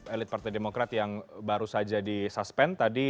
elit partai demokrat yang baru saja di suspend tadi